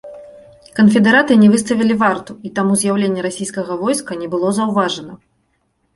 Канфедэраты не выставілі варту, і таму з'яўленне расійскага войска не было заўважана.